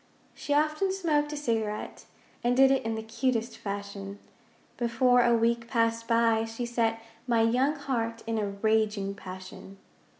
She often smoked a cigarette, And did it in the cutest fashion. Before a week passed by she set My young heart in a raging passion.